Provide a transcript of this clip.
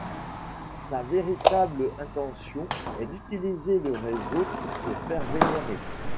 Sa véritable intention est d'utiliser le réseau pour se faire vénérer.